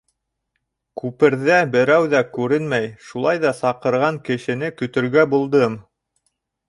Күперҙә берәү ҙә күренмәй, шулай ҙа саҡырған кешене көтөргә булдым.